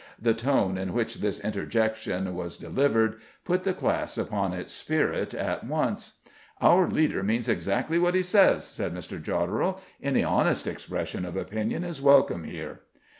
The tone in which this interjection was delivered put the class upon its spirit at once. "Our leader means exactly what he says," said Mr. Jodderel; "any honest expression of opinion is welcome here."